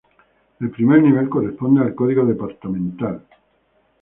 El primer nivel corresponde al código departamental.